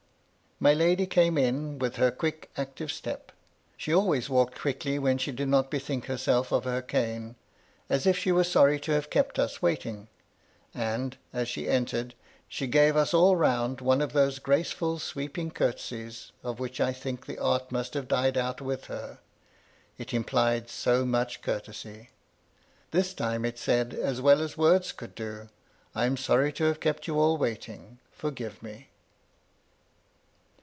46 MY LADY LUDLOW. My lady came in, with her quick active step — she always walked quickly when she did not bethink her self of her cane, — as if she were sorry to have kept us waiting, — and, as she entered, she gave us all round one of those gracefiil sweeping curtsies, of which I think the art must have died out with her, — it implied so much courtesy ;— this time it said, as well as words could do, " I am sorry to have kept you all waiting, — forgive me."